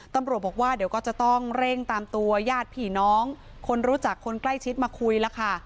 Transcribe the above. ตำรวจบอกว่าเดี๋ยวก็จะต้องเร่งตามตัวญาติผีน้องคนรู้จักคนใกล้ชิดมาคุยแล้วค่ะ